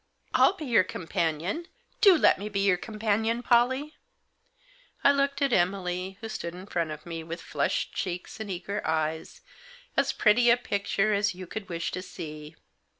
" I'll be your companion ! Do let me be your companion, Pollie !" I looked at Emily, who stood in front of me with flushed cheeks and eager eyes ; as pretty a picture as you could wish to see.